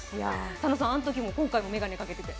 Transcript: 佐野さん、あのときも今回も眼鏡をかけてて。